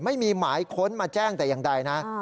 ไม่มีหมายค้นมาแจ้งแต่อย่างใดนะ